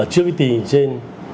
trước tình hình trên